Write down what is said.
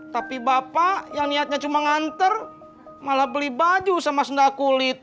tapi bapak yang niatnya cuma nganter malah beli baju sama sendak kulit